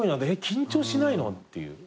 緊張しないの？っていう。